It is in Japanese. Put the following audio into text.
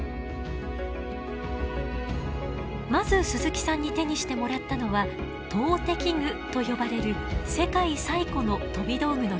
まず鈴木さんに手にしてもらったのは投擲具と呼ばれる世界最古の飛び道具の一つです。